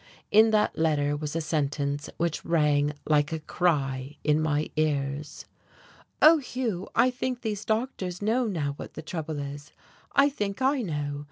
In that letter was a sentence which rang like a cry in my ears: "Oh, Hugh, I think these doctors know now what the trouble is, I think I know.